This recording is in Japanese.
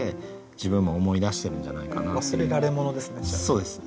そうです。